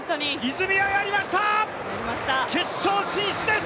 泉谷やりました、決勝進出です。